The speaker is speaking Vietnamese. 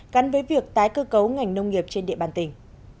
gắn với việc tái cơ cấu ngành nông nghiệp trên địa bàn tỉnh